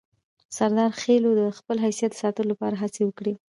سردارخېلو د خپل حیثیت د ساتلو لپاره هڅې وکړې.